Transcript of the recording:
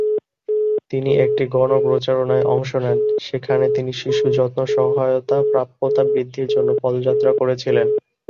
তিনি একটি গণ প্রচারণায় অংশ নেন, সেখানে তিনি শিশু যত্ন সহায়তা প্রাপ্যতা বৃদ্ধির জন্য পদযাত্রা করেছিলেন।